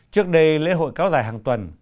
trước đây lễ hội kéo dài hàng tuần